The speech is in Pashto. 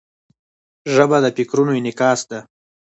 ژبه د فکرونو انعکاس ده.